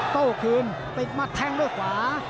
ต้นมาฐานด้วยขวา